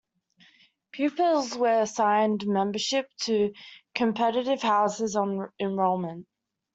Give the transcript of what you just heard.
Pupils were assigned membership to competitive houses on enrolment.